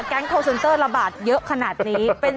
คอลเซนเตอร์ระบาดเยอะขนาดนี้